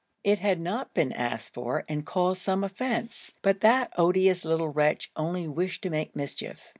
It had not been asked for and caused some offence, but that odious little wretch only wished to make mischief.